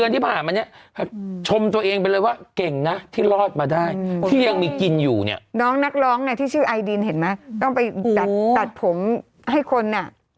ที่ชื่อไอดินเห็นไหมต้องไปตัดผมให้คนน่ะ